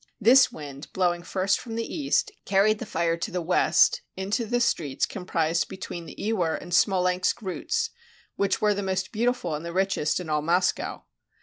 This wind, blowing first from the east, carried the fire to the west into the streets comprised between the Iwer and Smolensk routes, which were the most beautiful and the richest in all Moscow.